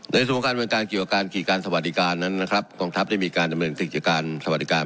ในส่วนของการเมืองการเกี่ยวกับการขี่การสวัสดิการนั้นนะครับกองทัพได้มีการดำเนินกิจการสวัสดิการ